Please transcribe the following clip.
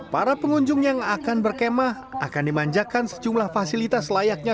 para pengunjung yang akan berkemah akan dimanjakan sejumlah fasilitas layaknya